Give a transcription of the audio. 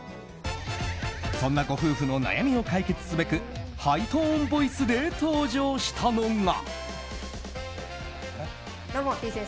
そんなご夫婦の悩みを解決すべくハイトーンボイスで登場したのが。